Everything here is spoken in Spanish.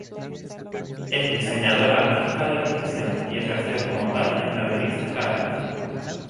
Es diseñadora gráfica de profesión, y ejerció como tal en la revista Caras.